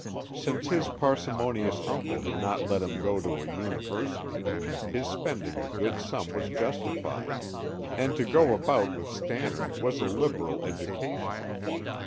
Since his parsimonious uncle had not let him go to a university, his spending a good sum was justified, and to go about with Stannard was a liberal education.